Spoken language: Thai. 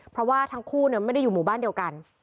เพราะว่าทั้งคู่ไม่ได้อยู่หมู่บ้านเดียวกัน